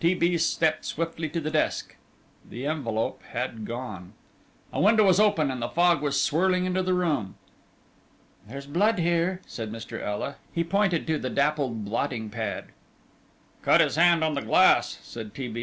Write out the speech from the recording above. T. B. stepped swiftly to the desk the envelope had gone. A window was open and the fog was swirling into the room. "There's blood here," said Mr. Ela. He pointed to the dappled blotting pad. "Cut his hand on the glass," said T. B.